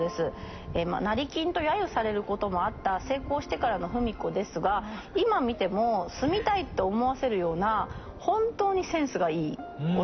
成金と揶揄されることもあった成功してからの芙美子ですが今見ても住みたいと思わせるような本当にセンスがいいお宅です。